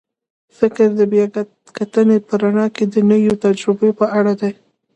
فکر د بیا کتنې په رڼا کې د نویو تجربو په اړه دی.